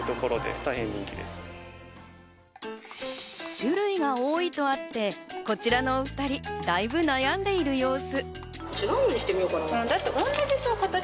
種類が多いとあって、こちらのお２人、だいぶ悩んでいる様子。